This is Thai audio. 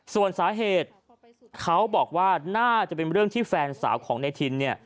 ส่วนสาเหตุเขาบอกว่าน่าจะเป็นเรื่องที่แฟนสาวของในทินเนี่ย